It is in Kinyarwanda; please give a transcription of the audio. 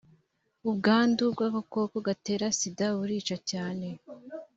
ubwandu bw agakoko gatera sida burica cyane.